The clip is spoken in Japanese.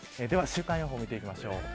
では週間予報を見ていきましょう。